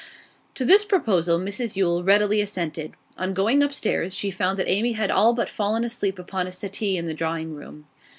To this proposal Mrs Yule readily assented. On going upstairs she found that Amy had all but fallen asleep upon a settee in the drawing room.